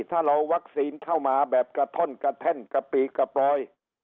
ถ้าเราวัคซีนเข้ามาแบบกระท่อนกระแท่นกระปีกระปลอย